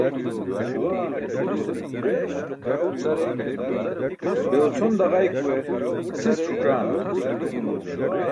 Be ucʰon daġaykuwe sis ṣuc̣aana?